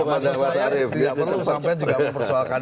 mas arief tidak perlu sampai mempersoalkan